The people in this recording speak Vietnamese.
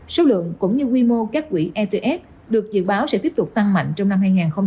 số lượng cũng như quy mô các quỹ ets được dự báo sẽ tiếp tục tăng mạnh trong năm hai nghìn hai mươi